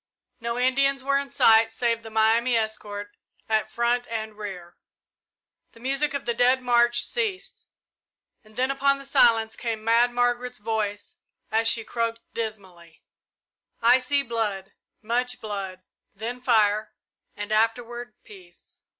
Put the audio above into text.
No Indians were in sight save the Miami escort at front and rear. The music of the Dead March ceased, and then upon the silence came Mad Margaret's voice, as she croaked dismally, "I see blood much blood, then fire, and afterward peace."